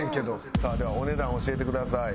さあではお値段教えてください。